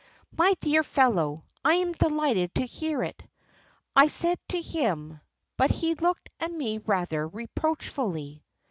'My dear fellow, I am delighted to hear it,' I said to him; but he looked at me rather reproachfully."